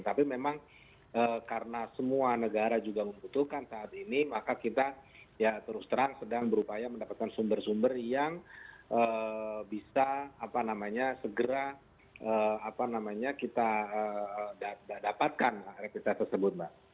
tapi memang karena semua negara juga membutuhkan saat ini maka kita ya terus terang sedang berupaya mendapatkan sumber sumber yang bisa segera kita dapatkan rapid test tersebut mbak